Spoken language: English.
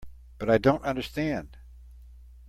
But I don't understand.